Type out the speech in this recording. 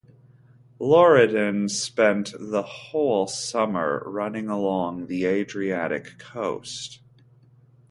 Loredan spent the whole summer running along the Adriatic coast.